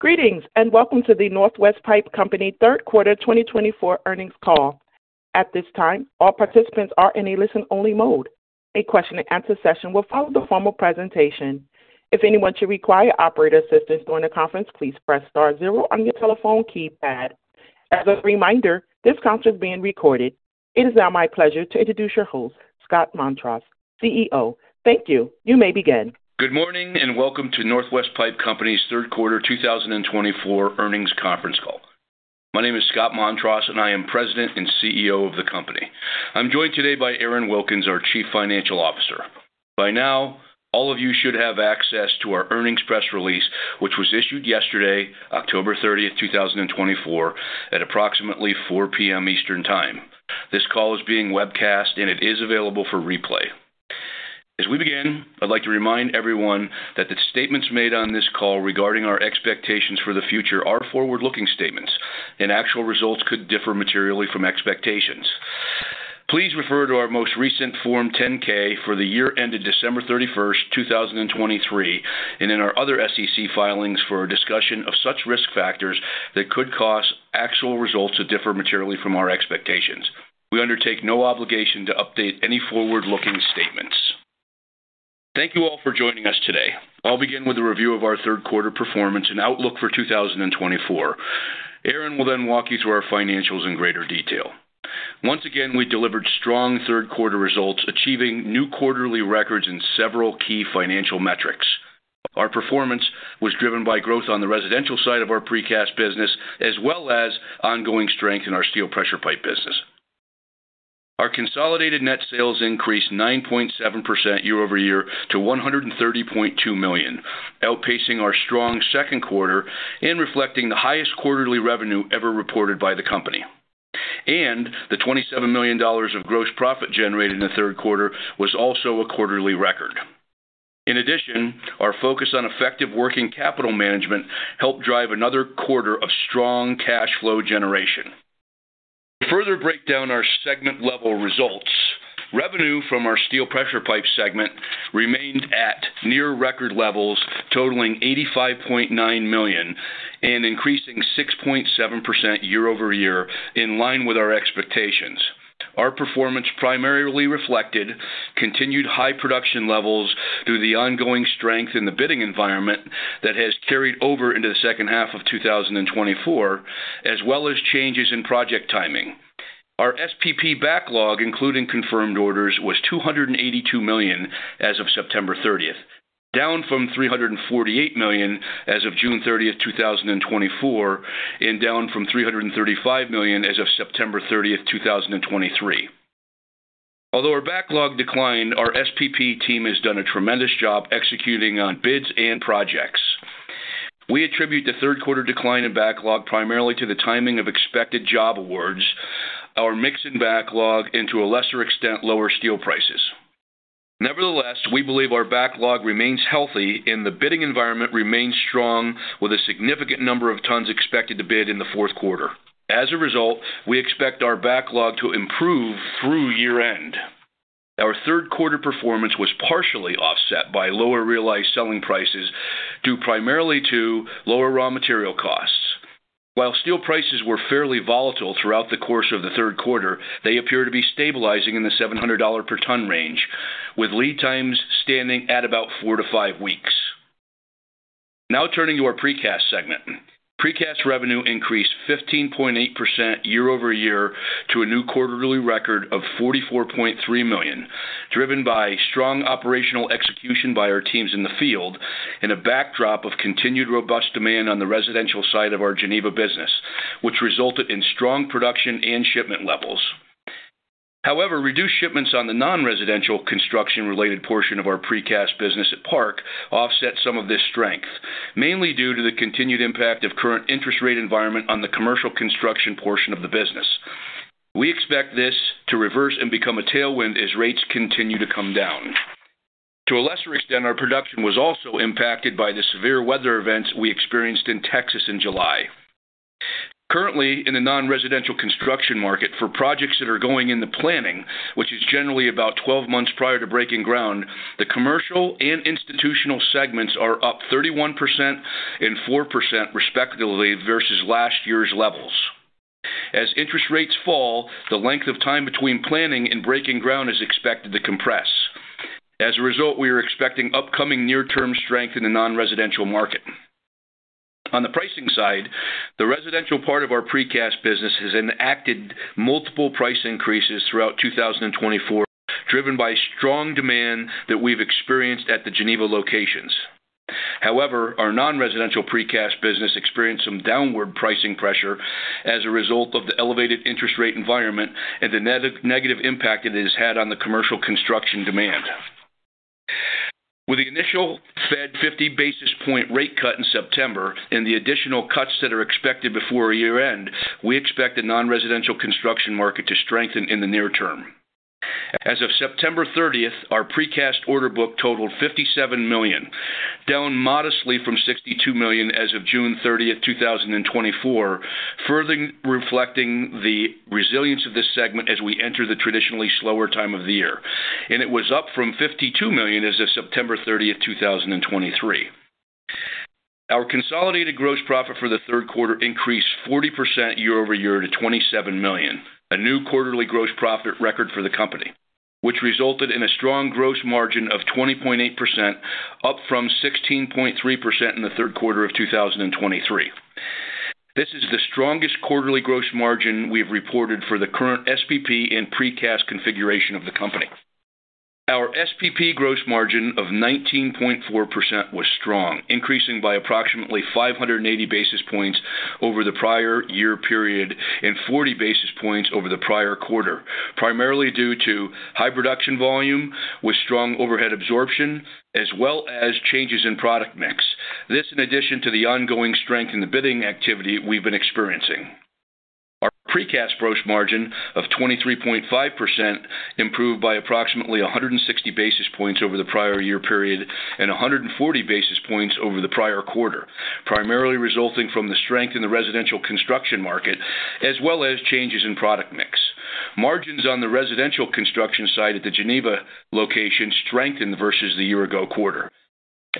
Greetings and welcome to the Northwest Pipe Company third quarter 2024 earnings call. At this time, all participants are in a listen-only mode. A question-and-answer session will follow the formal presentation. If anyone should require operator assistance during the conference, please press star zero on your telephone keypad. As a reminder, this conference is being recorded. It is now my pleasure to introduce your host, Scott Montross, CEO. Thank you. You may begin. Good morning and welcome to Northwest Pipe Company's third quarter 2024 earnings conference call. My name is Scott Montross, and I am President and CEO of the company. I'm joined today by Aaron Wilkins, our Chief Financial Officer. By now, all of you should have access to our earnings press release, which was issued yesterday, October 30th, 2024, at approximately 4:00 P.M. Eastern Time. This call is being webcast, and it is available for replay. As we begin, I'd like to remind everyone that the statements made on this call regarding our expectations for the future are forward-looking statements, and actual results could differ materially from expectations. Please refer to our most recent Form 10-K for the year ended December 31st, 2023, and in our other SEC filings for discussion of such risk factors that could cause actual results to differ materially from our expectations. We undertake no obligation to update any forward-looking statements. Thank you all for joining us today. I'll begin with a review of our third quarter performance and outlook for 2024. Aaron will then walk you through our financials in greater detail. Once again, we delivered strong third quarter results, achieving new quarterly records and several key financial metrics. Our performance was driven by growth on the residential side of our precast business, as well as ongoing strength in our steel pressure pipe business. Our consolidated net sales increased 9.7% year-over-year to $130.2 million, outpacing our strong second quarter and reflecting the highest quarterly revenue ever reported by the company, and the $27 million of gross profit generated in the third quarter was also a quarterly record. In addition, our focus on effective working capital management helped drive another quarter of strong cash flow generation. To further break down our segment-level results, revenue from our steel pressure pipe segment remained at near record levels, totaling $85.9 million and increasing 6.7% year-over-year, in line with our expectations. Our performance primarily reflected continued high production levels through the ongoing strength in the bidding environment that has carried over into the second half of 2024, as well as changes in project timing. Our SPP backlog, including confirmed orders, was $282 million as of September 30th, down from $348 million as of June 30th, 2024, and down from $335 million as of September 30th, 2023. Although our backlog declined, our SPP team has done a tremendous job executing on bids and projects. We attribute the third quarter decline in backlog primarily to the timing of expected job awards, our mix in backlog, and to a lesser extent, lower steel prices. Nevertheless, we believe our backlog remains healthy, and the bidding environment remains strong, with a significant number of tons expected to bid in the fourth quarter. As a result, we expect our backlog to improve through year-end. Our third quarter performance was partially offset by lower realized selling prices due primarily to lower raw material costs. While steel prices were fairly volatile throughout the course of the third quarter, they appear to be stabilizing in the $700 per ton range, with lead times standing at about four to five weeks. Now turning to our precast segment, precast revenue increased 15.8% year-over-year to a new quarterly record of $44.3 million, driven by strong operational execution by our teams in the field and a backdrop of continued robust demand on the residential side of our Geneva business, which resulted in strong production and shipment levels. However, reduced shipments on the non-residential construction-related portion of our precast business at Park offset some of this strength, mainly due to the continued impact of the current interest rate environment on the commercial construction portion of the business. We expect this to reverse and become a tailwind as rates continue to come down. To a lesser extent, our production was also impacted by the severe weather events we experienced in Texas in July. Currently, in the non-residential construction market, for projects that are going into planning, which is generally about 12 months prior to breaking ground, the commercial and institutional segments are up 31% and 4%, respectively, versus last year's levels. As interest rates fall, the length of time between planning and breaking ground is expected to compress. As a result, we are expecting upcoming near-term strength in the non-residential market. On the pricing side, the residential part of our precast business has enacted multiple price increases throughout 2024, driven by strong demand that we've experienced at the Geneva locations. However, our non-residential precast business experienced some downward pricing pressure as a result of the elevated interest rate environment and the negative impact it has had on the commercial construction demand. With the initial Fed 50 basis points rate cut in September and the additional cuts that are expected before year-end, we expect the non-residential construction market to strengthen in the near term. As of September 30th, our precast order book totaled $57 million, down modestly from $62 million as of June 30th, 2024, further reflecting the resilience of this segment as we enter the traditionally slower time of the year, and it was up from $52 million as of September 30th, 2023. Our consolidated gross profit for the third quarter increased 40% year-over-year to $27 million, a new quarterly gross profit record for the company, which resulted in a strong gross margin of 20.8%, up from 16.3% in the third quarter of 2023. This is the strongest quarterly gross margin we've reported for the current SPP and precast configuration of the company. Our SPP gross margin of 19.4% was strong, increasing by approximately 580 basis points over the prior year period and 40 basis points over the prior quarter, primarily due to high production volume with strong overhead absorption, as well as changes in product mix. This, in addition to the ongoing strength in the bidding activity we've been experiencing. Our precast gross margin of 23.5% improved by approximately 160 basis points over the prior year period and 140 basis points over the prior quarter, primarily resulting from the strength in the residential construction market, as well as changes in product mix. Margins on the residential construction side at the Geneva location strengthened versus the year-ago quarter.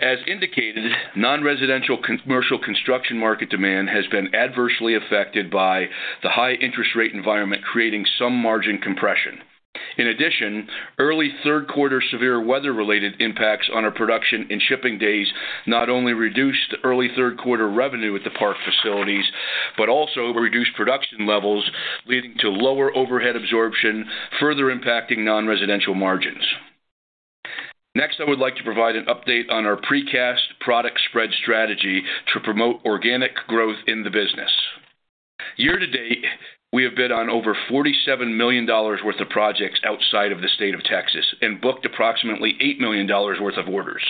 As indicated, non-residential commercial construction market demand has been adversely affected by the high interest rate environment, creating some margin compression. In addition, early third quarter severe weather-related impacts on our production and shipping days not only reduced early third quarter revenue at the Park facilities, but also reduced production levels, leading to lower overhead absorption, further impacting non-residential margins. Next, I would like to provide an update on our precast product spread strategy to promote organic growth in the business. Year-to-date, we have bid on over $47 million worth of projects outside of the state of Texas and booked approximately $8 million worth of orders.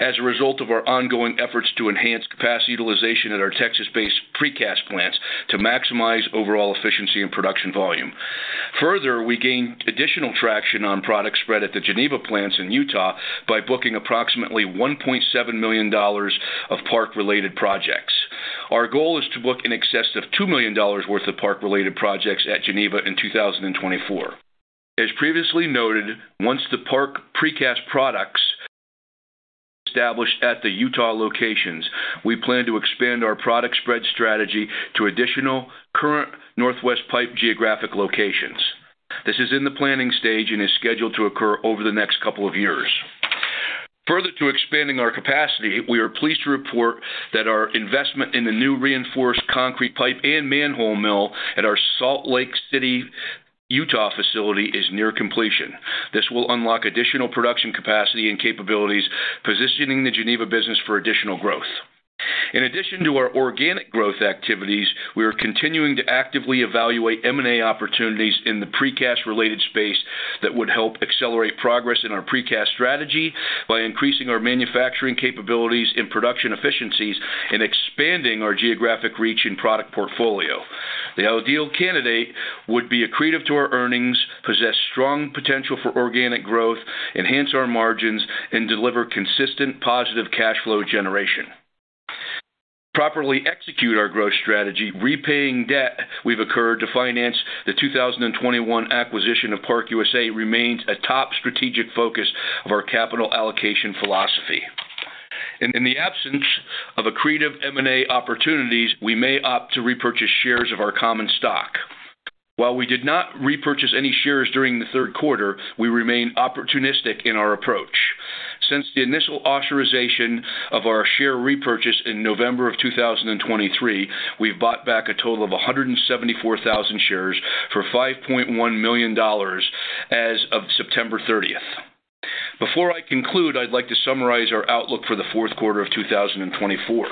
As a result of our ongoing efforts to enhance capacity utilization at our Texas-based precast plants to maximize overall efficiency and production volume. Further, we gained additional traction on product spread at the Geneva plants in Utah by booking approximately $1.7 million of Park-related projects. Our goal is to book in excess of $2 million worth of Park-related projects at Geneva in 2024. As previously noted, once the Park precast products are established at the Utah locations, we plan to expand our product spread strategy to additional current Northwest Pipe geographic locations. This is in the planning stage and is scheduled to occur over the next couple of years. Further to expanding our capacity, we are pleased to report that our investment in the new reinforced concrete pipe and manhole mill at our Salt Lake City, Utah facility is near completion. This will unlock additional production capacity and capabilities, positioning the Geneva business for additional growth. In addition to our organic growth activities, we are continuing to actively evaluate M&A opportunities in the precast-related space that would help accelerate progress in our precast strategy by increasing our manufacturing capabilities and production efficiencies and expanding our geographic reach and product portfolio. The ideal candidate would be accretive to our earnings, possess strong potential for organic growth, enhance our margins, and deliver consistent positive cash flow generation. To properly execute our growth strategy, repaying debt we've incurred to finance the 2021 acquisition of ParkUSA remains a top strategic focus of our capital allocation philosophy. In the absence of accretive M&A opportunities, we may opt to repurchase shares of our common stock. While we did not repurchase any shares during the third quarter, we remain opportunistic in our approach. Since the initial authorization of our share repurchase in November of 2023, we've bought back a total of 174,000 shares for $5.1 million as of September 30th. Before I conclude, I'd like to summarize our outlook for the fourth quarter of 2024.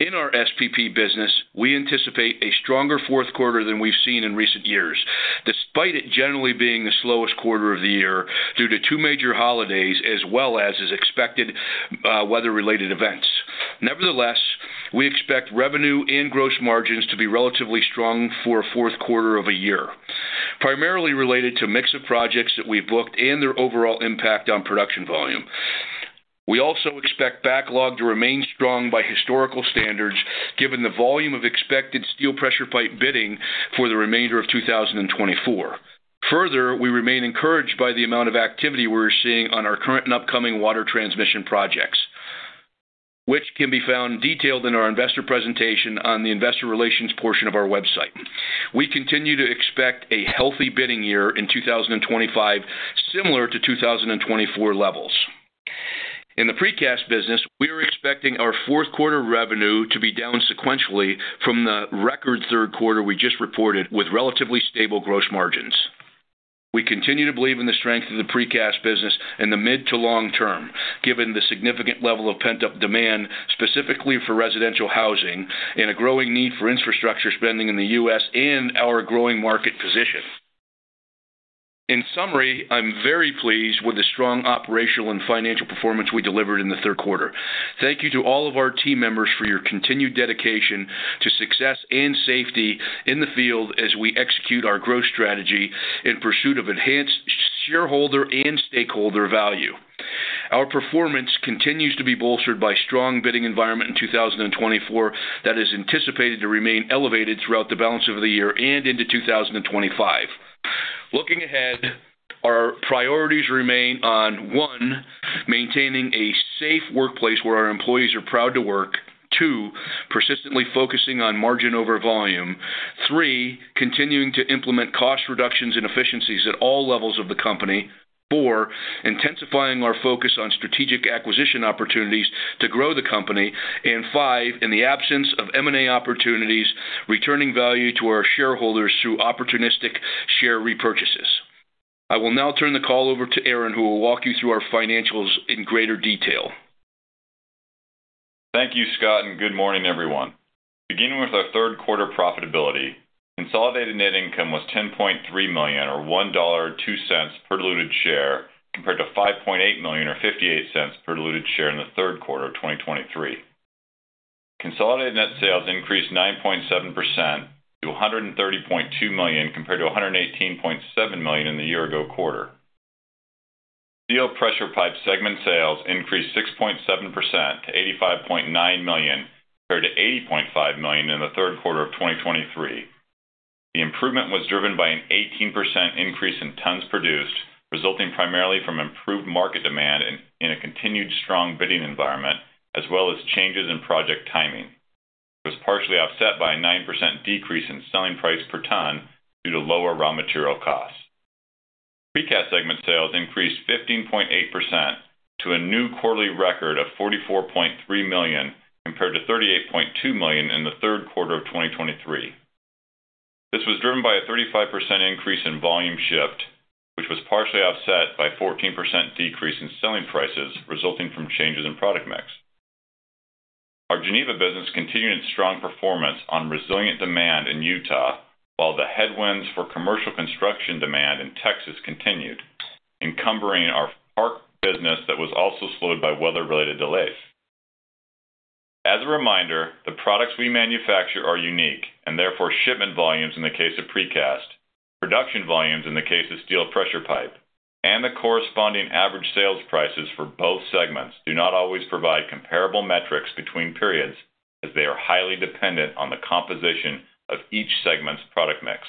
In our SPP business, we anticipate a stronger fourth quarter than we've seen in recent years, despite it generally being the slowest quarter of the year due to two major holidays, as well as expected weather-related events. Nevertheless, we expect revenue and gross margins to be relatively strong for a fourth quarter of a year, primarily related to mix of projects that we've booked and their overall impact on production volume. We also expect backlog to remain strong by historical standards, given the volume of expected steel pressure pipe bidding for the remainder of 2024. Further, we remain encouraged by the amount of activity we're seeing on our current and upcoming water transmission projects, which can be found detailed in our investor presentation on the investor relations portion of our website. We continue to expect a healthy bidding year in 2025, similar to 2024 levels. In the precast business, we are expecting our fourth quarter revenue to be down sequentially from the record third quarter we just reported, with relatively stable gross margins. We continue to believe in the strength of the precast business in the mid to long term, given the significant level of pent-up demand, specifically for residential housing, and a growing need for infrastructure spending in the U.S. and our growing market position. In summary, I'm very pleased with the strong operational and financial performance we delivered in the third quarter. Thank you to all of our team members for your continued dedication to success and safety in the field as we execute our growth strategy in pursuit of enhanced shareholder and stakeholder value. Our performance continues to be bolstered by a strong bidding environment in 2024 that is anticipated to remain elevated throughout the balance of the year and into 2025. Looking ahead, our priorities remain on: one, maintaining a safe workplace where our employees are proud to work. Two, persistently focusing on margin over volume. Three, continuing to implement cost reductions and efficiencies at all levels of the company. Four, intensifying our focus on strategic acquisition opportunities to grow the company. Five, in the absence of M&A opportunities, returning value to our shareholders through opportunistic share repurchases. I will now turn the call over to Aaron, who will walk you through our financials in greater detail. Thank you, Scott, and good morning, everyone. Beginning with our third quarter profitability, consolidated net income was $10.3 million, or $1.02 per diluted share, compared to $5.8 million, or $0.58 per diluted share in the third quarter of 2023. Consolidated net sales increased 9.7% to $130.2 million, compared to $118.7 million in the year-ago quarter. Steel pressure pipe segment sales increased 6.7% to $85.9 million, compared to $80.5 million in the third quarter of 2023. The improvement was driven by an 18% increase in tons produced, resulting primarily from improved market demand and a continued strong bidding environment, as well as changes in project timing, which was partially offset by a 9% decrease in selling price per ton due to lower raw material costs. Precast segment sales increased 15.8% to a new quarterly record of $44.3 million, compared to $38.2 million in the third quarter of 2023. This was driven by a 35% increase in volume shift, which was partially offset by a 14% decrease in selling prices resulting from changes in product mix. Our Geneva business continued its strong performance on resilient demand in Utah, while the headwinds for commercial construction demand in Texas continued, encumbering our Park business that was also slowed by weather-related delays. As a reminder, the products we manufacture are unique and therefore shipment volumes in the case of precast, production volumes in the case of steel pressure pipe, and the corresponding average sales prices for both segments do not always provide comparable metrics between periods, as they are highly dependent on the composition of each segment's product mix.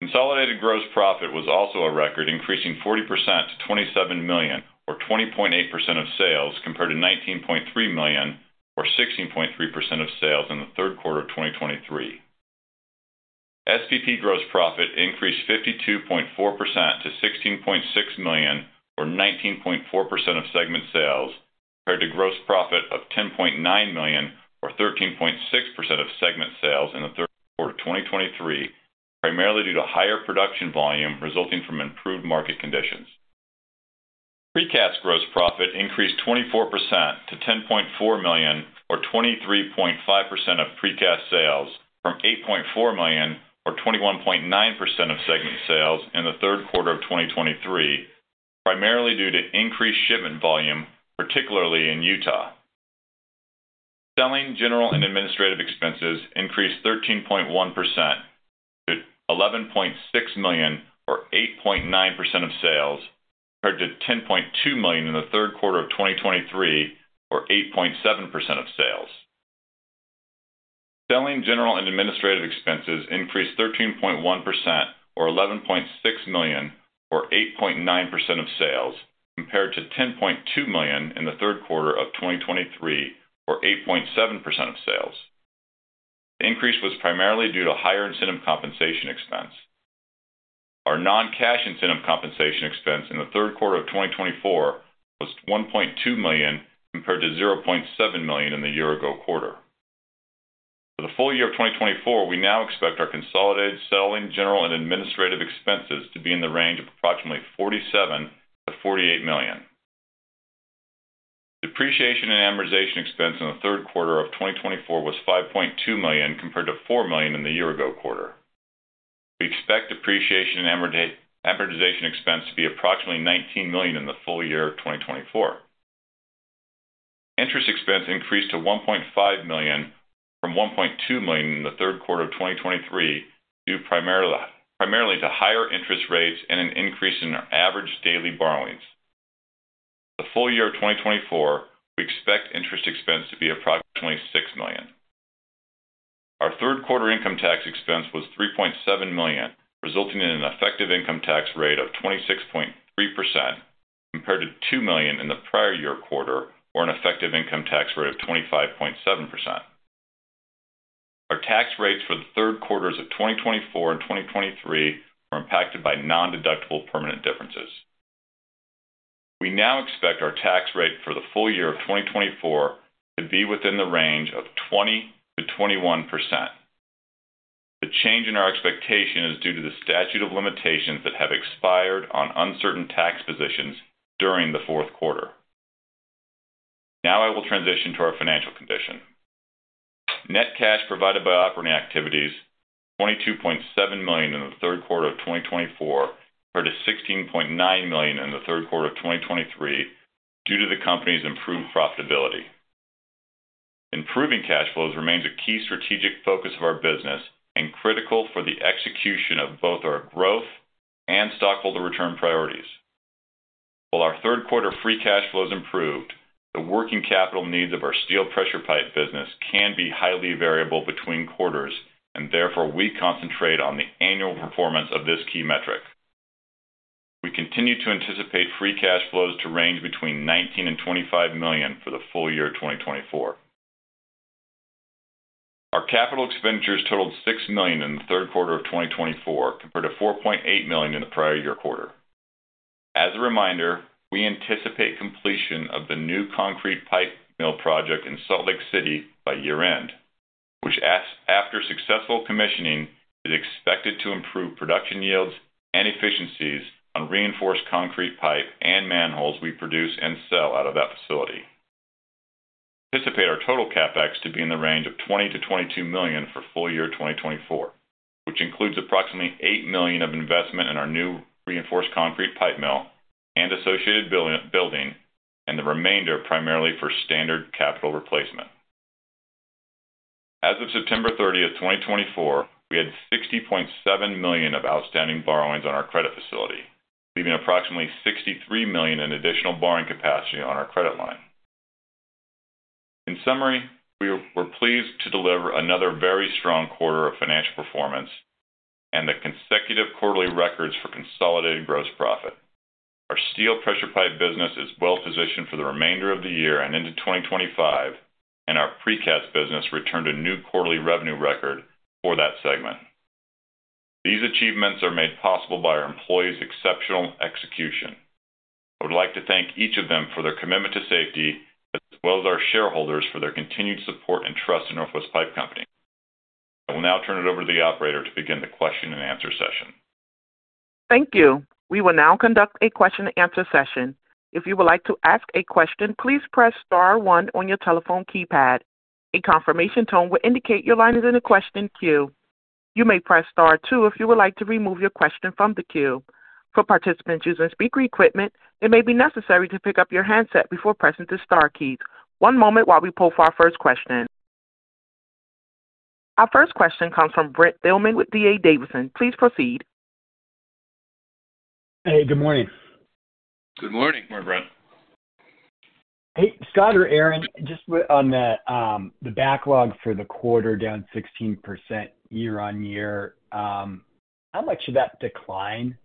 Consolidated gross profit was also a record, increasing 40% to $27 million, or 20.8% of sales, compared to $19.3 million, or 16.3% of sales in the third quarter of 2023. SPP gross profit increased 52.4% to $16.6 million, or 19.4% of segment sales, compared to gross profit of $10.9 million, or 13.6% of segment sales in the third quarter of 2023, primarily due to higher production volume resulting from improved market conditions. Precast gross profit increased 24% to $10.4 million, or 23.5% of precast sales, from $8.4 million, or 21.9% of segment sales in the third quarter of 2023, primarily due to increased shipment volume, particularly in Utah. Selling, general, and administrative expenses increased 13.1% to $11.6 million, or 8.9% of sales, compared to $10.2 million in the third quarter of 2023, or 8.7% of sales. Selling, general, and administrative expenses increased 13.1%, or $11.6 million, or 8.9% of sales, compared to $10.2 million in the third quarter of 2023, or 8.7% of sales. The increase was primarily due to higher incentive compensation expense. Our non-cash incentive compensation expense in the third quarter of 2024 was $1.2 million, compared to $0.7 million in the year-ago quarter. For the full year of 2024, we now expect our consolidated selling, general, and administrative expenses to be in the range of approximately $47-$48 million. Depreciation and amortization expense in the third quarter of 2024 was $5.2 million, compared to $4 million in the year-ago quarter. We expect depreciation and amortization expense to be approximately $19 million in the full-year of 2024. Interest expense increased to $1.5 million, from $1.2 million in the third quarter of 2023, due primarily to higher interest rates and an increase in our average daily borrowings. For the full year of 2024, we expect interest expense to be approximately $6 million. Our third quarter income tax expense was $3.7 million, resulting in an effective income tax rate of 26.3%, compared to $2 million in the prior year quarter, or an effective income tax rate of 25.7%. Our tax rates for the third quarters of 2024 and 2023 were impacted by non-deductible permanent differences. We now expect our tax rate for the full-year of 2024 to be within the range of 20%-21%. The change in our expectation is due to the statute of limitations that have expired on uncertain tax positions during the fourth quarter. Now I will transition to our financial condition. Net cash provided by operating activities: $22.7 million in the third quarter of 2024, compared to $16.9 million in the third quarter of 2023, due to the company's improved profitability. Improving cash flows remains a key strategic focus of our business and critical for the execution of both our growth and stockholder return priorities. While our third quarter free cash flows improved, the working capital needs of our steel pressure pipe business can be highly variable between quarters, and therefore we concentrate on the annual performance of this key metric. We continue to anticipate free cash flows to range between $19 million and $25 million for the full-year of 2024. Our capital expenditures totaled $6 million in the third quarter of 2024, compared to $4.8 million in the prior year quarter. As a reminder, we anticipate completion of the new concrete pipe mill project in Salt Lake City by year-end, which, after successful commissioning, is expected to improve production yields and efficiencies on reinforced concrete pipe and manholes we produce and sell out of that facility. We anticipate our total CapEx to be in the range of $20 million-$22 million for full year 2024, which includes approximately $8 million of investment in our new reinforced concrete pipe mill and associated building, and the remainder primarily for standard capital replacement. As of September 30th, 2024, we had $60.7 million of outstanding borrowings on our credit facility, leaving approximately $63 million in additional borrowing capacity on our credit line. In summary, we were pleased to deliver another very strong quarter of financial performance and the consecutive quarterly records for consolidated gross profit. Our steel pressure pipe business is well-positioned for the remainder of the year and into 2025, and our precast business returned a new quarterly revenue record for that segment. These achievements are made possible by our employees' exceptional execution. I would like to thank each of them for their commitment to safety, as well as our shareholders, for their continued support and trust in Northwest Pipe Company. I will now turn it over to the operator to begin the question-and-answer session. Thank you. We will now conduct a question-and-answer session. If you would like to ask a question, please press star one on your telephone keypad. A confirmation tone will indicate your line is in a question queue. You may press star two if you would like to remove your question from the queue. For participants using speaker equipment, it may be necessary to pick up your handset before pressing the star keys. One moment while we pull for our first question. Our first question comes from Brent Thielman with D.A. Davidson. Please proceed. Hey, good morning. Good morning, Brent. Hi, Brent. Hey, Scott or Aaron, just on the backlog for the quarter down 16% year-on-year, how much of that decline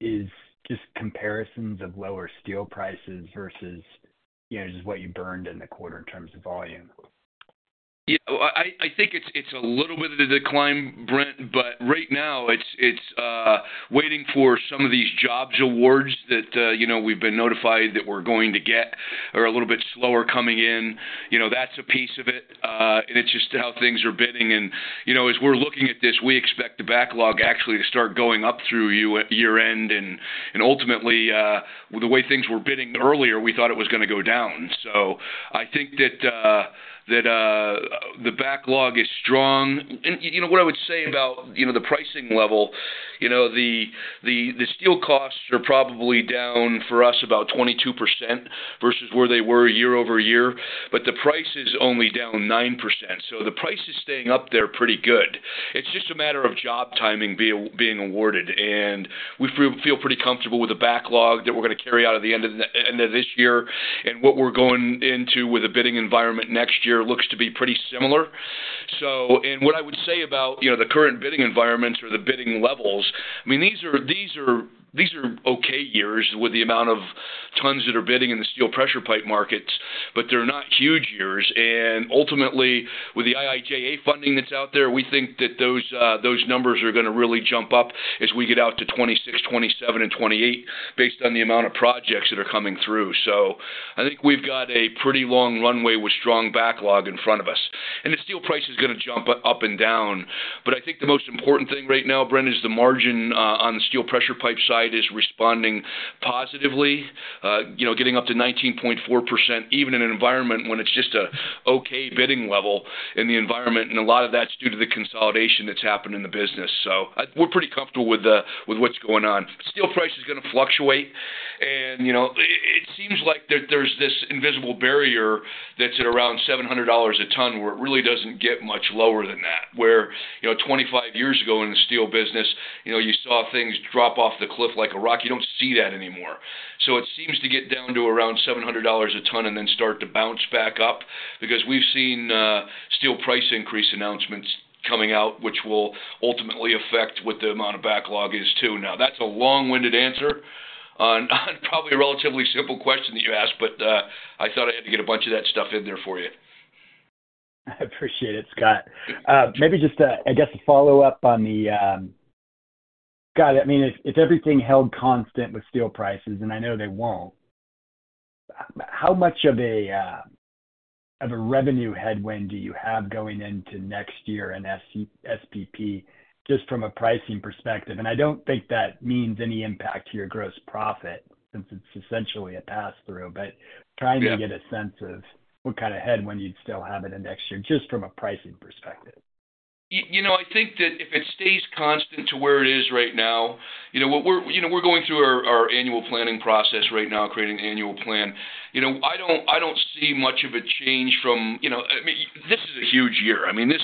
is just comparisons of lower steel prices versus just what you burned in the quarter in terms of volume? Yeah, I think it's a little bit of a decline, Brent, but right now it's waiting for some of these jobs awards that we've been notified that we're going to get, are a little bit slower coming in. That's a piece of it, and it's just how things are bidding. As we're looking at this, we expect the backlog actually to start going up through year-end. Ultimately, the way things were bidding earlier, we thought it was going to go down. So I think that the backlog is strong. What I would say about the pricing level, the steel costs are probably down for us about 22% versus where they were year-over-year, but the price is only down 9%. So the price is staying up there pretty good. It's just a matter of job timing being awarded and we feel pretty comfortable with the backlog that we're going to carry out at the end of this year and what we're going into with a bidding environment next year looks to be pretty similar. What I would say about the current bidding environments or the bidding levels, I mean, these are okay years with the amount of tons that are bidding in the steel pressure pipe markets, but they're not huge years. Ultimately, with the IIJA funding that's out there, we think that those numbers are going to really jump up as we get out to 2026, 2027, and 2028 based on the amount of projects that are coming through. So I think we've got a pretty long runway with strong backlog in front of us and the steel price is going to jump up and down. But I think the most important thing right now, Brent, is the margin on the steel pressure pipe side is responding positively, getting up to 19.4%, even in an environment when it's just an okay bidding level in the environment. A lot of that's due to the consolidation that's happened in the business. So we're pretty comfortable with what's going on. Steel price is going to fluctuate. It seems like there's this invisible barrier that's at around $700 a ton, where it really doesn't get much lower than that. Where 25 years ago in the steel business, you saw things drop off the cliff like a rock. You don't see that anymore. So it seems to get down to around $700 a ton and then start to bounce back up because we've seen steel price increase announcements coming out, which will ultimately affect what the amount of backlog is too. Now, that's a long-winded answer on probably a relatively simple question that you asked, but I thought I had to get a bunch of that stuff in there for you. I appreciate it, Scott. Maybe just, I guess, a follow-up on the, God, I mean, if everything held constant with steel prices, and I know they won't, how much of a revenue headwind do you have going into next year in SPP just from a pricing perspective? I don't think that means any impact to your gross profit since it's essentially a pass-through, but trying to get a sense of what kind of headwind you'd still have in the next year just from a pricing perspective. You know, I think that if it stays constant to where it is right now, we're going through our annual planning process right now, creating an annual plan. I don't see much of a change from, I mean, this is a huge year. I mean, this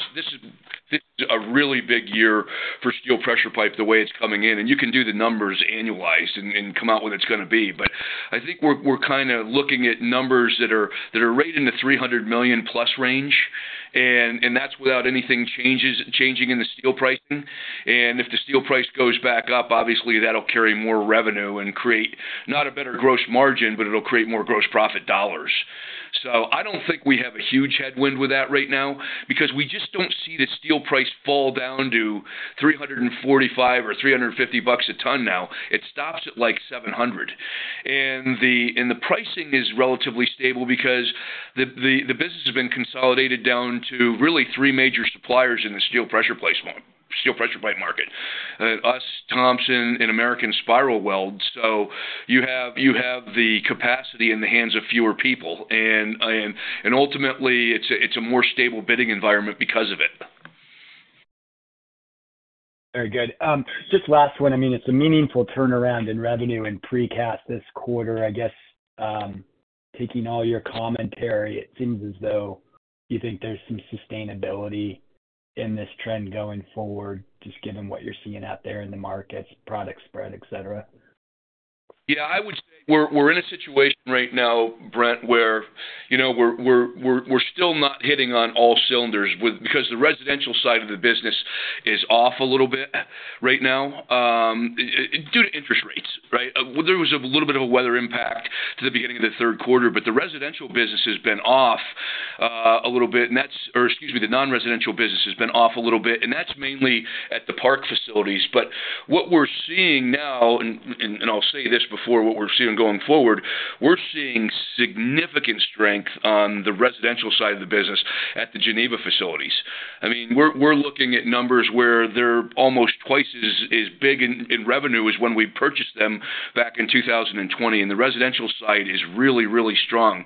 is a really big year for steel pressure pipe the way it's coming in. You can do the numbers annualized and come out what it's going to be. But I think we're kind of looking at numbers that are right in the $300 million+ range and that's without anything changing in the steel pricing and if the steel price goes back up, obviously, that'll carry more revenue and create, not a better gross margin, but it'll create more gross profit dollars. So I don't think we have a huge headwind with that right now because we just don't see the steel price fall down to $345 or $350 a ton now. It stops at like $700. The pricing is relatively stable because the business has been consolidated down to really three major suppliers in the steel pressure pipe market: us, Thompson, and American SpiralWeld. So you have the capacity in the hands of fewer people. Ultimately, it's a more stable bidding environment because of it. Very good. Just last one. I mean, it's a meaningful turnaround in revenue in precast this quarter. I guess, taking all your commentary, it seems as though you think there's some sustainability in this trend going forward, just given what you're seeing out there in the markets, product spread, etc. Yeah, I would say we're in a situation right now, Brent, where we're still not hitting on all cylinders because the residential side of the business is off a little bit right now due to interest rates, right? There was a little bit of a weather impact to the beginning of the third quarter, but the residential business has been off a little bit and that's, or excuse me, the non-residential business has been off a little bit. That's mainly at the Park facilities. But what we're seeing now, and I'll say this before what we're seeing going forward, we're seeing significant strength on the residential side of the business at the Geneva facilities. I mean, we're looking at numbers where they're almost twice as big in revenue as when we purchased them back in 2020 and the residential side is really, really strong.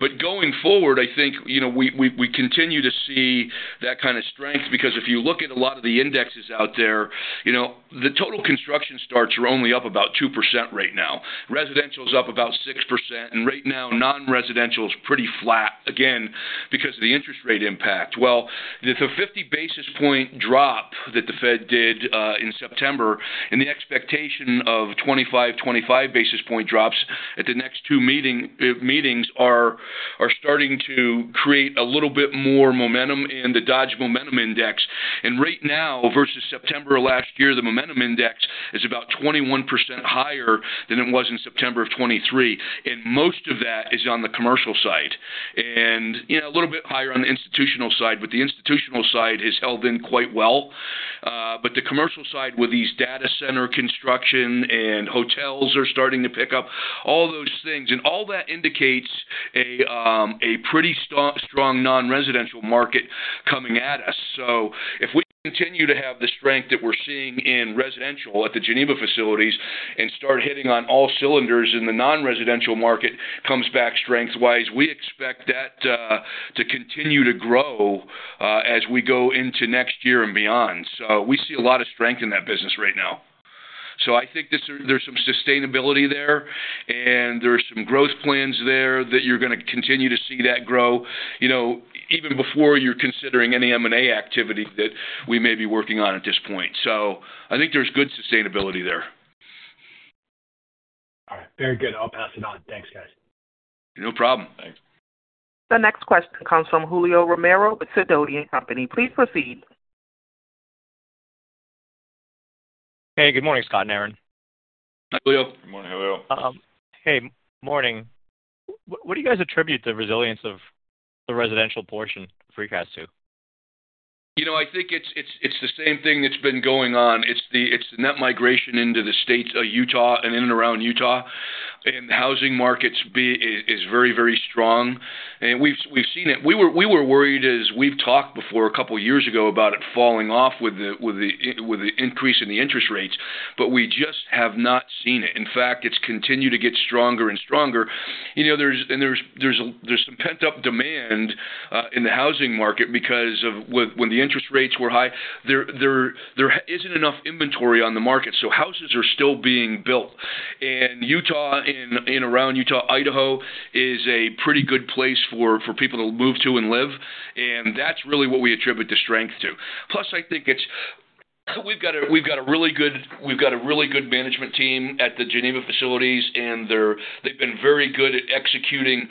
But going forward, I think we continue to see that kind of strength because if you look at a lot of the indexes out there, the total construction starts are only up about 2% right now. Residential is up about 6% and right now, non-residential is pretty flat, again, because of the interest rate impact. The 50 basis point drop that the Fed did in September and the expectation of 25, 25 basis point drops at the next two meetings are starting to create a little bit more momentum in the Dodge Momentum Index. Right now, versus September of last year, the Momentum Index is about 21% higher than it was in September of 2023 and most of that is on the commercial side and a little bit higher on the institutional side. But the institutional side has held in quite well. But the commercial side, with these data center construction and hotels starting to pick up, all those things, and all that indicates a pretty strong non-residential market coming at us. So if we continue to have the strength that we're seeing in residential at the Geneva facilities and start hitting on all cylinders in the non-residential market, it comes back strength-wise, we expect that to continue to grow as we go into next year and beyond. So we see a lot of strength in that business right now. So I think there's some sustainability there, and there's some growth plans there that you're going to continue to see that grow even before you're considering any M&A activity that we may be working on at this point. So I think there's good sustainability there. All right. Very good. I'll pass it on. Thanks, guys. No problem. Thanks. The next question comes from Julio Romero with Sidoti & Company. Please proceed. Hey, good morning, Scott and Aaron. Hi, Julio. Good morning. How are you? Hey, morning. What do you guys attribute the resilience of the residential portion of precast to? I think it's the same thing that's been going on. It's the net migration into the states of Utah and in and around Utah. The housing market is very, very strong. We've seen it. We were worried, as we've talked before a couple of years ago, about it falling off with the increase in the interest rates, but we just have not seen it. In fact, it's continued to get stronger and stronger. There's some pent-up demand in the housing market because of when the interest rates were high, there isn't enough inventory on the market. So houses are still being built. Utah and around Utah, Idaho is a pretty good place for people to move to and live. That's really what we attribute the strength to. Plus, I think we've got a really good management team at the Geneva facilities, and they've been very good at executing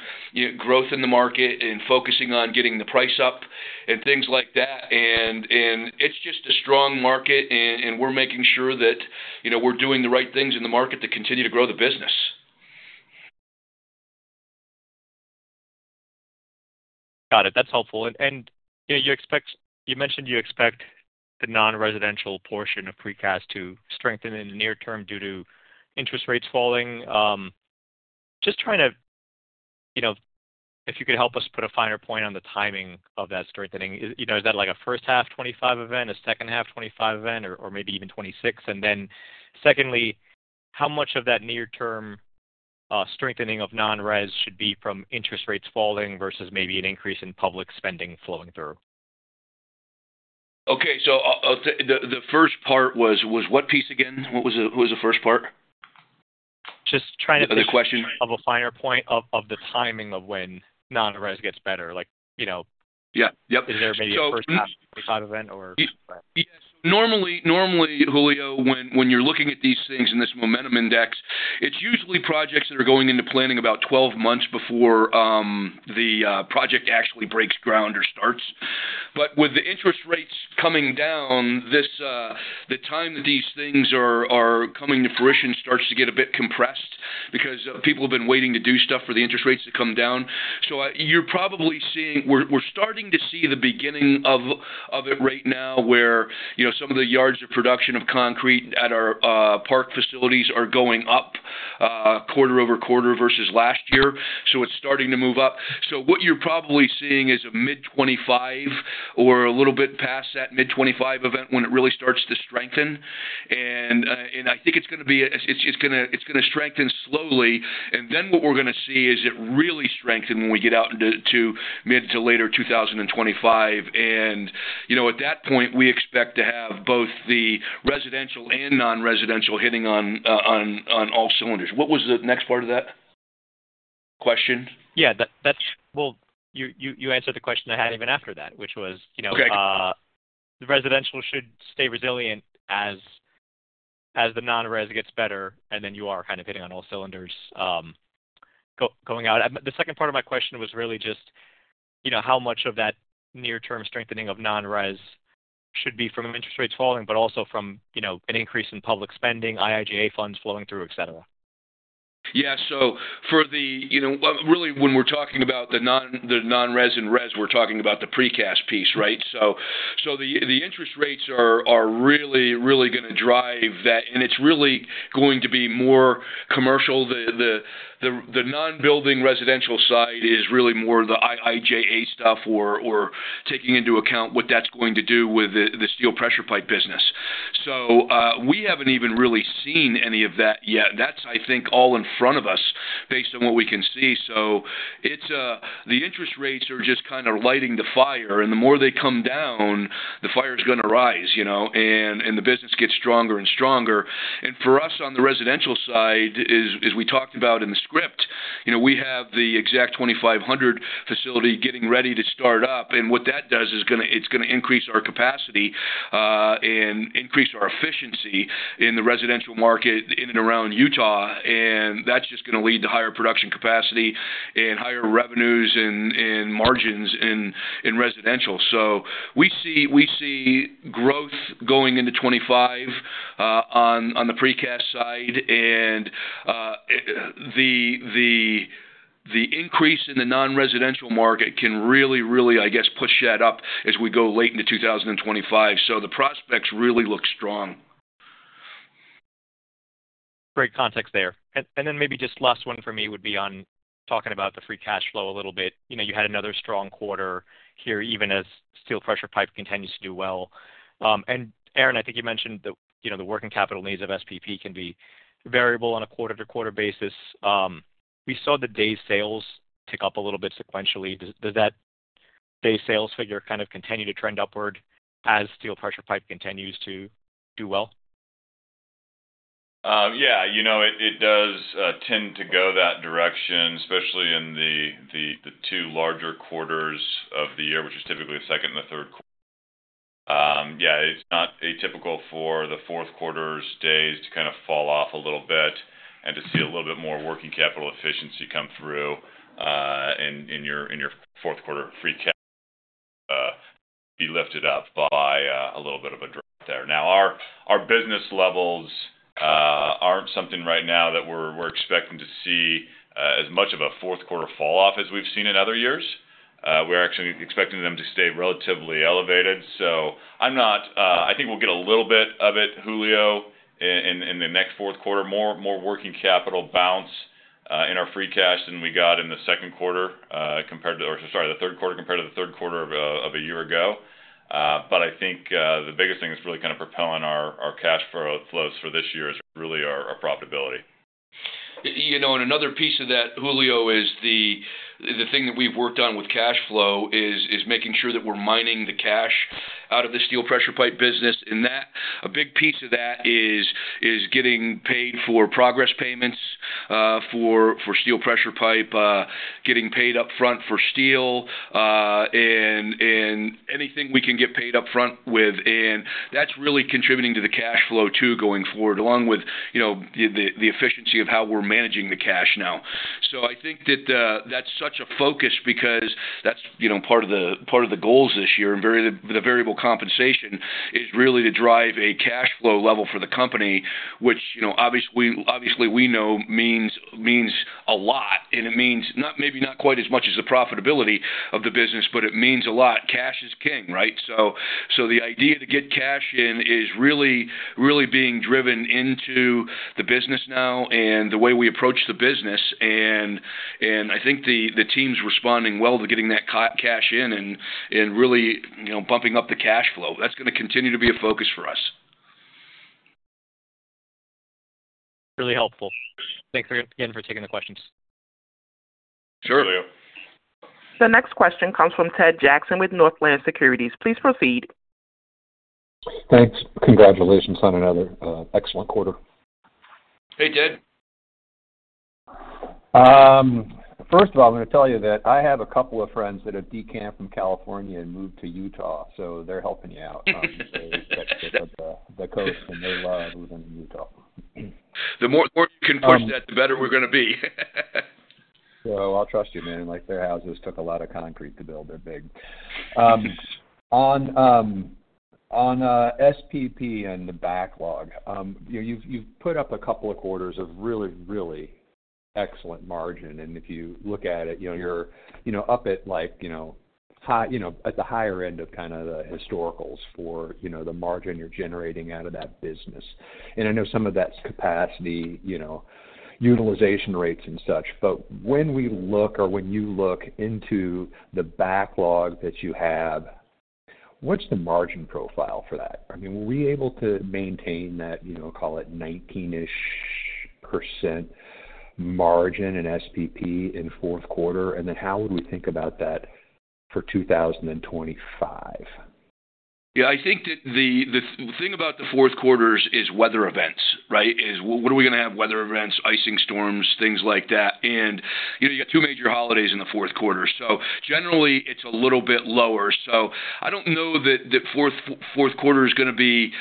growth in the market and focusing on getting the price up and things like that. It's just a strong market, and we're making sure that we're doing the right things in the market to continue to grow the business. Got it. That's helpful. You mentioned you expect the non-residential portion of precast to strengthen in the near term due to interest rates falling. Just trying to, if you could help us put a finer point on the timing of that strengthening, is that like a first half 2025 event, a second half 2025 event, or maybe even 2026? Then secondly, how much of that near-term strengthening of non-res should be from interest rates falling versus maybe an increase in public spending flowing through? Okay. So the first part was what piece again? What was the first part? Just trying to, other question of a finer point of the timing of when non-res gets better. Is there maybe a first half '25 event or? Yes. Normally, Julio, when you're looking at these things and this momentum index, it's usually projects that are going into planning about 12 months before the project actually breaks ground or starts, but with the interest rates coming down, the time that these things are coming to fruition starts to get a bit compressed because people have been waiting to do stuff for the interest rates to come down. So you're probably seeing. We're starting to see the beginning of it right now where some of the yards of production of concrete at our Park Facilities are going up quarter-over-quarter versus last year. So it's starting to move up. So what you're probably seeing is a mid-25 or a little bit past that mid-25 event when it really starts to strengthen. I think it's going to strengthen slowly. What we're going to see is it really strengthen when we get out into mid to later 2025. At that point, we expect to have both the residential and non-residential hitting on all cylinders. What was the next part of that question? Yeah. Well, you answered the question I had even after that, which was the residential should stay resilient as the non-res gets better, and then you are kind of hitting on all cylinders going out. The second part of my question was really just how much of that near-term strengthening of non-res should be from interest rates falling, but also from an increase in public spending, IIJA funds flowing through, etc. Yeah. Really, when we're talking about the non-res and res, we're talking about the precast piece, right? So the interest rates are really, really going to drive that and it's really going to be more commercial. The non-residential side is really more the IIJA stuff or taking into account what that's going to do with the steel pressure pipe business. So we haven't even really seen any of that yet. That's, I think, all in front of us based on what we can see. So the interest rates are just kind of lighting the fire and the more they come down, the fire's going to rise, and the business gets stronger and stronger. For us on the residential side, as we talked about in the script, we have the Exact 2500 facility getting ready to start up, and what that does is it's going to increase our capacity and increase our efficiency in the residential market in and around Utah. That's just going to lead to higher production capacity and higher revenues and margins in residential. We see growth going into 2025 on the precast side. The increase in the non-residential market can really, really, I guess, push that up as we go late into 2025. The prospects really look strong. Great context there. Then maybe just last one for me would be on talking about the free cash flow a little bit. You had another strong quarter here even as steel pressure pipe continues to do well. Aaron, I think you mentioned that the working capital needs of SPP can be variable on a quarter-to-quarter basis. We saw the day sales tick up a little bit sequentially. Does that day sales figure kind of continue to trend upward as steel pressure pipe continues to do well? Yeah. It does tend to go that direction, especially in the two larger quarters of the year, which is typically the second and the third quarter. Yeah. It's not atypical for the fourth quarter's days to kind of fall off a little bit and to see a little bit more working capital efficiency come through in your fourth quarter free cash be lifted up by a little bit of a drop there. Now, our business levels aren't something right now that we're expecting to see as much of a fourth quarter falloff as we've seen in other years. We're actually expecting them to stay relatively elevated. So I think we'll get a little bit of it, Julio, in the next fourth quarter. More working capital bounce in our free cash than we got in the second quarter compared to—or sorry, the third quarter compared to the third quarter of a year ago but I think the biggest thing that's really kind of propelling our cash flows for this year is really our profitability. Another piece of that, Julio, is the thing that we've worked on with cash flow is making sure that we're mining the cash out of the steel pressure pipe business and a big piece of that is getting paid for progress payments for steel pressure pipe, getting paid upfront for steel and anything we can get paid upfront with. That's really contributing to the cash flow too going forward, along with the efficiency of how we're managing the cash now. So I think that that's such a focus because that's part of the goals this year. The variable compensation is really to drive a cash flow level for the company, which obviously we know means a lot and it means maybe not quite as much as the profitability of the business, but it means a lot. Cash is king, right? So the idea to get cash in is really being driven into the business now and the way we approach the business and I think the team's responding well to getting that cash in and really bumping up the cash flow. That's going to continue to be a focus for us. That's really helpful. Thanks again for taking the questions. Sure. The next question comes from Ted Jackson with Northland Securities. Please proceed. Thanks. Congratulations on another excellent quarter. Hey, Ted. First of all, I'm going to tell you that I have a couple of friends that have decamped from California and moved to Utah. They're helping you out on the coast, and they love living in Utah. The more you can push that, the better we're going to be. So I'll trust you, man. Their houses took a lot of concrete to build. They're big. On SPP and the backlog, you've put up a couple of quarters of really, really excellent margin and if you look at it, you're up at the higher end of kind of the historicals for the margin you're generating out of that business. I know some of that's capacity utilization rates and such, but when we look or when you look into the backlog that you have, what's the margin profile for that? I mean, were we able to maintain that, call it 19-ish% margin in SPP in fourth quarter? Then how would we think about that for 2025? Yeah. I think the thing about the fourth quarters is weather events, right? When are we going to have weather events, ice storms, things like that, and you got two major holidays in the fourth quarter. So generally, it's a little bit lower. So I don't know that the fourth quarter is going to be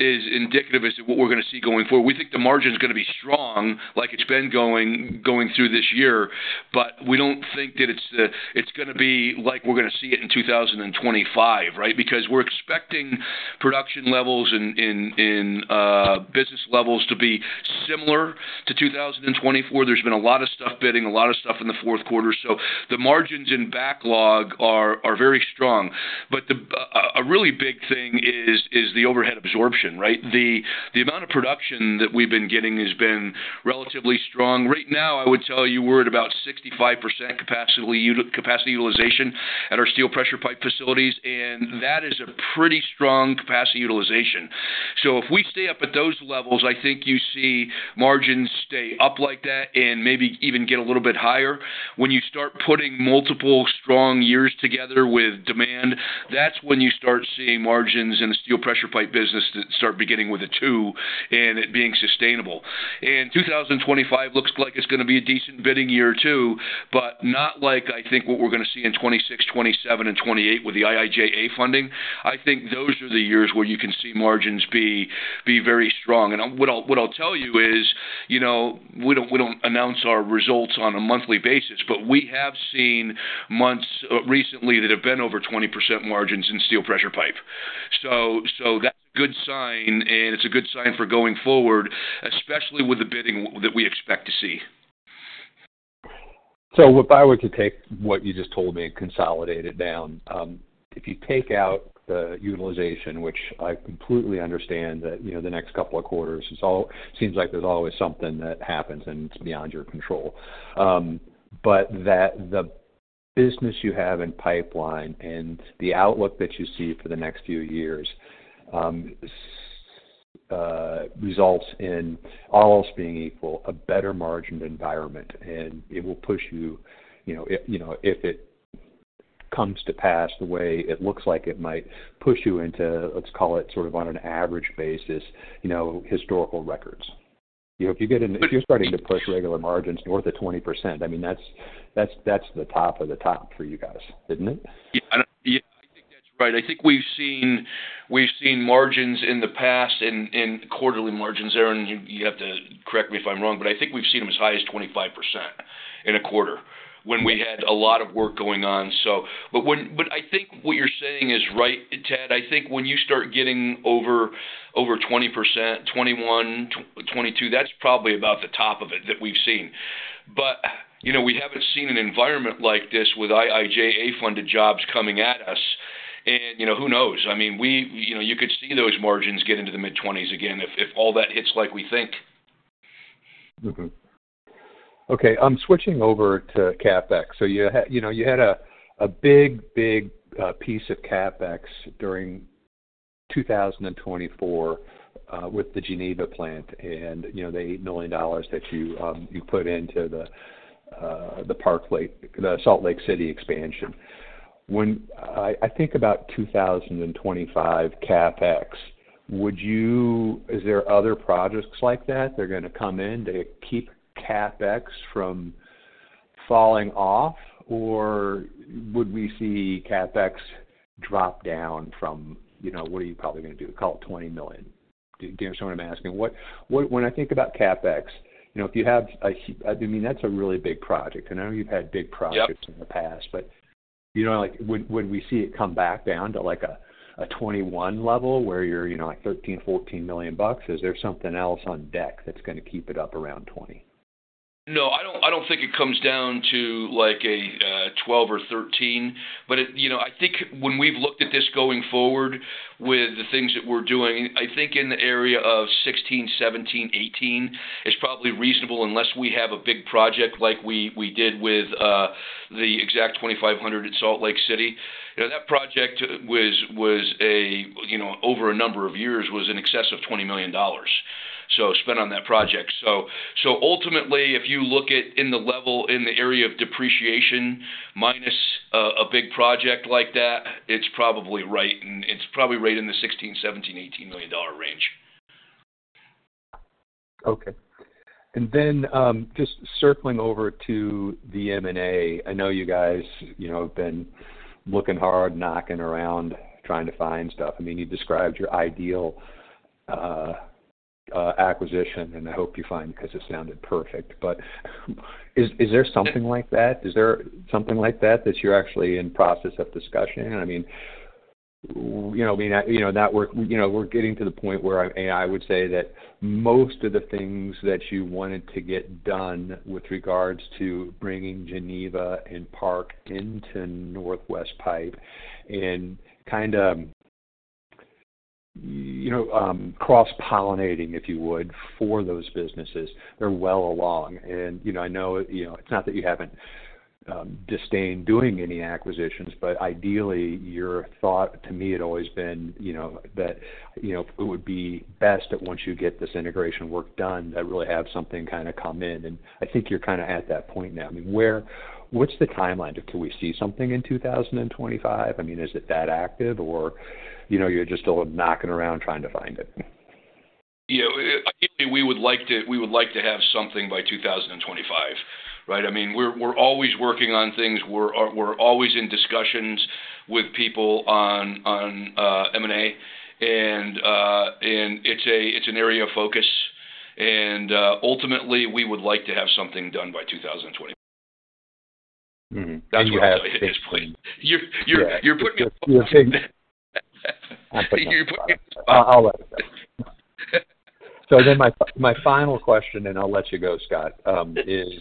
as indicative as what we're going to see going forward. We think the margin is going to be strong like it's been going through this year but we don't think that it's going to be like we're going to see it in 2025 because we're expecting production levels and business levels to be similar to 2024. There's been a lot of stuff bidding, a lot of stuff in the fourth quarter. So the margins in backlog are very strong. But a really big thing is the overhead absorption, right? The amount of production that we've been getting has been relatively strong. Right now, I would tell you we're at about 65% capacity utilization at our steel pressure pipe facilities and that is a pretty strong capacity utilization. So if we stay up at those levels, I think you see margins stay up like that and maybe even get a little bit higher. When you start putting multiple strong years together with demand, that's when you start seeing margins in the steel pressure pipe business that start beginning with a two and it being sustainable. 2025 looks like it's going to be a decent bidding year too, but not like I think what we're going to see in 2026, 2027, and 2028 with the IIJA funding. I think those are the years where you can see margins be very strong. What I'll tell you is we don't announce our results on a monthly basis, but we have seen months recently that have been over 20% margins in steel pressure pipe. That's a good sign, and it's a good sign for going forward, especially with the bidding that we expect to see. If I were to take what you just told me and consolidate it down, if you take out the utilization, which I completely understand that the next couple of quarters, it seems like there's always something that happens and it's beyond your control. The business you have in pipeline and the outlook that you see for the next few years results in almost being equal a better margin environment. It will push you if it comes to pass the way it looks like it might push you into, let's call it sort of on an average basis, historical records. If you're starting to push regular margins north of 20%, I mean, that's the top of the top for you guys, isn't it? Yeah. I think that's right. I think we've seen margins in the past and quarterly margins there. You have to correct me if I'm wrong, but I think we've seen them as high as 25% in a quarter when we had a lot of work going on. I think what you're saying is right, Ted. I think when you start getting over 20%, 21%, 22%, that's probably about the top of it that we've seen. We haven't seen an environment like this with IIJA-funded jobs coming at us and who knows? I mean, you could see those margins get into the mid-20s again if all that hits like we think. Okay. I'm switching over to CapEx. So you had a big, big piece of CapEx during 2024 with the Geneva plant and the $8 million that you put into the Salt Lake City expansion. When I think about 2025 CapEx, is there other projects like that? They're going to come in to keep CapEx from falling off, or would we see CapEx drop down from what are you probably going to do? Call it $20 million. Do you understand what I'm asking? When I think about CapEx, if you have a—I mean, that's a really big project. I know you've had big projects in the past, but when we see it come back down to a $21 million level where you're at $13-$14 million, is there something else on deck that's going to keep it up around $20 million? No, I don't think it comes down to a $12 or $13 million, but I think when we've looked at this going forward with the things that we're doing, I think in the area of $16, $17, $18 million is probably reasonable unless we have a big project like we did with the Exact 2500 at Salt Lake City. That project was, over a number of years, was in excess of $20 million spent on that project. So ultimately, if you look at in the level, in the area of depreciation minus a big project like that, it's probably right. It's probably right in the $16,$17,$18 million range. Okay. Then just circling over to the M&A, I know you guys have been looking hard, knocking around, trying to find stuff. I mean, you described your ideal acquisition, and I hope you find because it sounded perfect, but is there something like that? Is there something like that that you're actually in process of discussing? I mean, that work, we're getting to the point where I would say that most of the things that you wanted to get done with regards to bringing Geneva and Park into Northwest Pipe and kind of cross-pollinating, if you would, for those businesses, they're well along. I know it's not that you haven't disdained doing any acquisitions, but ideally, your thought to me had always been that it would be best that once you get this integration work done, that really have something kind of come in. I think you're kind of at that point now. I mean, what's the timeline? Can we see something in 2025? I mean, is it that active, or you're just still knocking around trying to find it? Yeah. I think we would like to have something by 2025, right? I mean, we're always working on things. We're always in discussions with people on M&A and it's an area of focus. Ultimately, we would like to have something done by 2025. That's what I think. You're putting me on hold. All right. So then my final question, and I'll let you go, Scott, is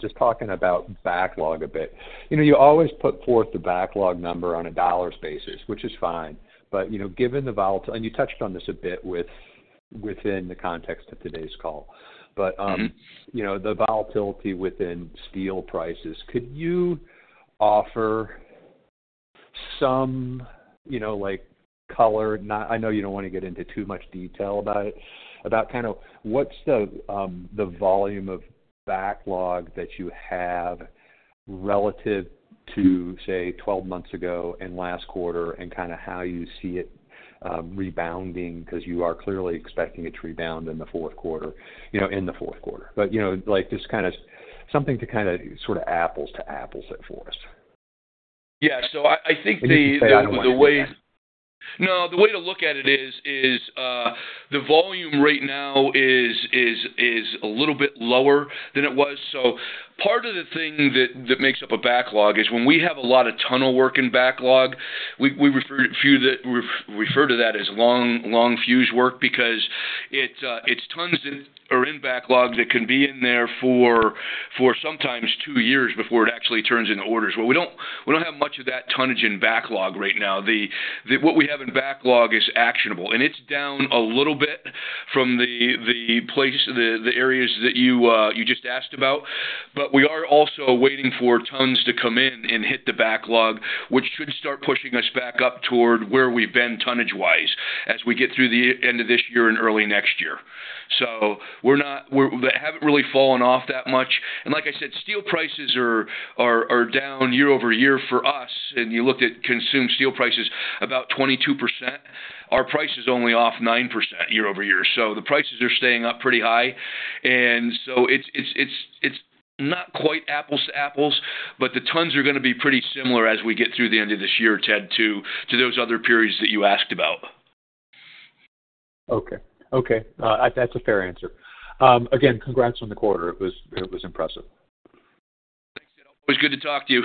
just talking about backlog a bit. You always put forth the backlog number on a dollars basis, which is fine, but given the volatility, and you touched on this a bit within the context of today's call, but the volatility within steel prices, could you offer some color? I know you don't want to get into too much detail about it. About kind of what's the volume of backlog that you have relative to, say, 12 months ago and last quarter and kind of how you see it rebounding because you are clearly expecting it to rebound in the fourth quarter in the fourth quarter. But just kind of something to kind of sort of apples to apples it for us. Yeah. So I think the way, no, the way to look at it is the volume right now is a little bit lower than it was. So part of the thing that makes up a backlog is when we have a lot of tunnel work in backlog, we refer to that as long fuse work because it's tons that are in backlog that can be in there for sometimes two years before it actually turns into orders. Well, we don't have much of that tonnage in backlog right now. What we have in backlog is actionable and it's down a little bit from the areas that you just asked about. But we are also waiting for tons to come in and hit the backlog, which should start pushing us back up toward where we've been tonnage-wise as we get through the end of this year and early next year. So we haven't really fallen off that much. Like I said, steel prices are down year-over-year for us, and you looked at consumed steel prices, about 22%. Our price is only off 9% year-over-year. So the prices are staying up pretty high. So it's not quite apples to apples, but the tons are going to be pretty similar as we get through the end of this year, Ted, to those other periods that you asked about. Okay. Okay. That's a fair answer. Again, congrats on the quarter. It was impressive. Thanks, Ted. Always good to talk to you.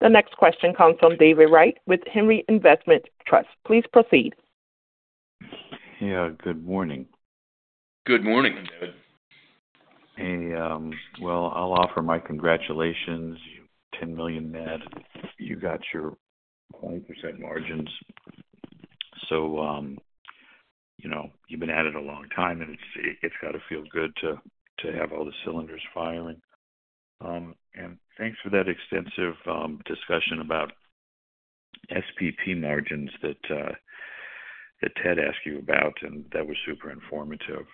The next question comes from David Wright with Henry Investment Trust. Please proceed. Yeah. Good morning. Good morning. Good morning, David Well, I'll offer my congratulations. $10 million net. You got your 20% margins. So, you've been at it a long time, and it's got to feel good to have all the cylinders firing. Thanks for that extensive discussion about SPP margins that Ted asked you about, and that was super informative.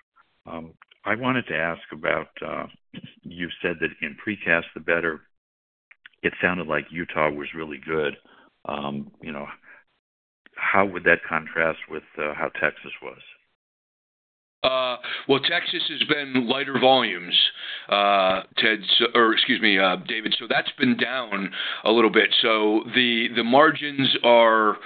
I wanted to ask about you said that in precast, the better. It sounded like Utah was really good. How would that contrast with how Texas was? Well, Texas has been lighter volumes, Ted or excuse me, David, so that's been down a little bit. So the margins are,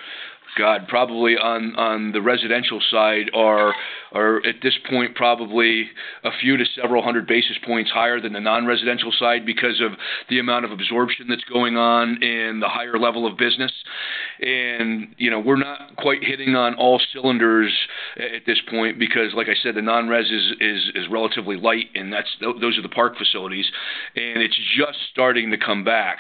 God, probably on the residential side are at this point probably a few to several hundred basis points higher than the non-residential side because of the amount of absorption that's going on and the higher level of business. We're not quite hitting on all cylinders at this point because, like I said, the non-res is relatively light, and those are the Park facilities and it's just starting to come back.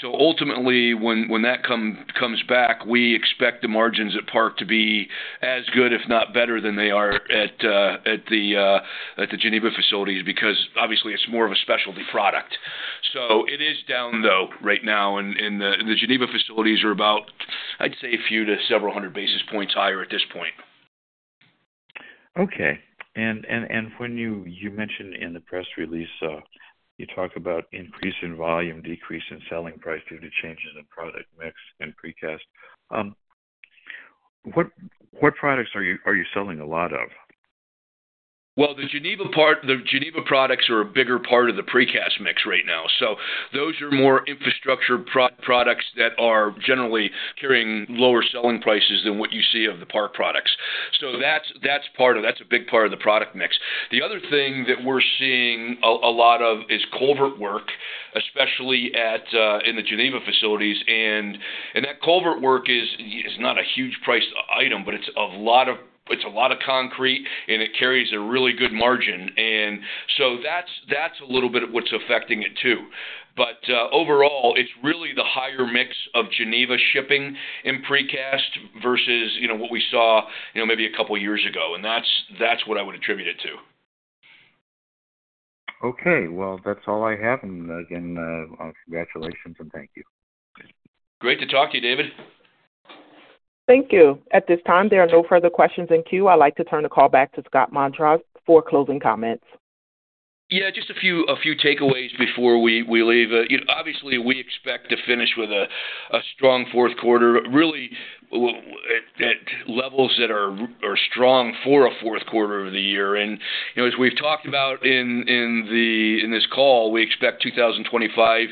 So ultimately, when that comes back, we expect the margins at Park to be as good, if not better, than they are at the Geneva facilities because, obviously, it's more of a specialty product. So it is down though right now and the Geneva facilities are about, I'd say, a few to several hundred basis points higher at this point. Okay, and when you mentioned in the press release, you talk about increase in volume, decrease in selling price due to changes in product mix and precast. What products are you selling a lot of? Well, the Geneva products are a bigger part of the precast mix right now. So those are more infrastructure products that are generally carrying lower selling prices than what you see of the Park products. So that's part of it. That's a big part of the product mix. The other thing that we're seeing a lot of is culvert work, especially in the Geneva facilities and that culvert work is not a huge price item, but it's a lot of concrete, and it carries a really good margin. So that's a little bit of what's affecting it too. But overall, it's really the higher mix of Geneva shipping and precast versus what we saw maybe a couple of years ago and that's what I would attribute it to. Okay. Well, that's all I have. Again, congratulations and thank you. Great to talk to you, David. Thank you. At this time, there are no further questions in queue. I'd like to turn the call back to Scott Montross for closing comments. Yeah. Just a few takeaways before we leave. Obviously, we expect to finish with a strong fourth quarter, really at levels that are strong for a fourth quarter of the year. As we've talked about in this call, we expect 2025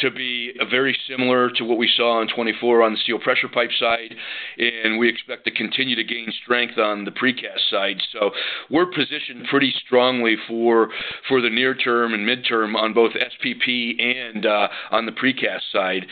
to be very similar to what we saw in 2024 on the steel pressure pipe side and we expect to continue to gain strength on the precast side. So we're positioned pretty strongly for the near term and midterm on both SPP and on the precast side.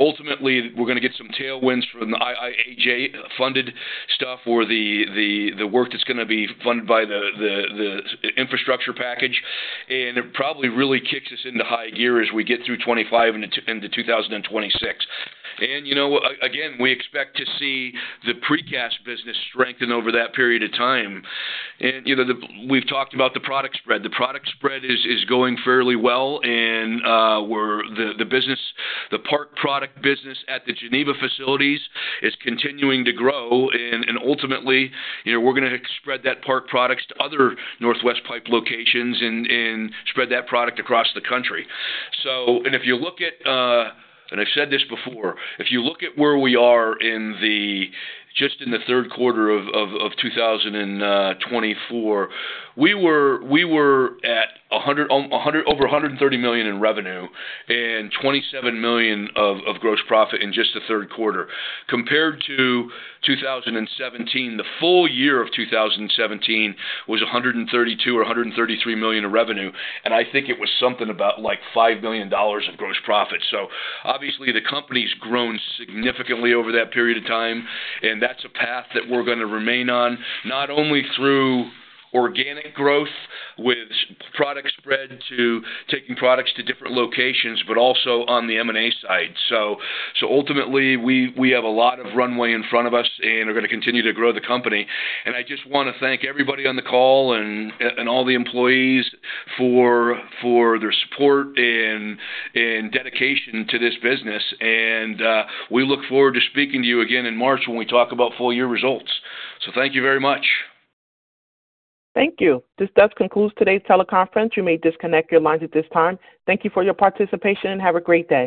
Ultimately, we're going to get some tailwinds from the IIJA-funded stuff or the work that's going to be funded by the infrastructure package and it probably really kicks us into high gear as we get through 2025 into 2026. Again, we expect to see the precast business strengthen over that period of time. We've talked about the product spread. The product spread is going fairly well and the Park product business at the Geneva facilities is continuing to grow. Ultimately, we're going to spread that Park product to other Northwest Pipe locations and spread that product across the country. If you look at, and I've said this before - if you look at where we are just in the third quarter of 2024, we were at over $130 million in revenue and $27 million of gross profit in just the third quarter. Compared to 2017, the full year of 2017 was $132 million or $133 million of revenue and I think it was something about like $5 million of gross profit. So obviously, the company's grown significantly over that period of time and that's a path that we're going to remain on, not only through organic growth with product spread to taking products to different locations, but also on the M&A side. So ultimately, we have a lot of runway in front of us and are going to continue to grow the company. I just want to thank everybody on the call and all the employees for their support and dedication to this business. We look forward to speaking to you again in March when we talk about full-year results. So thank you very much. Thank you. This does conclude today's teleconference. You may disconnect your lines at this time. Thank you for your participation and have a great day.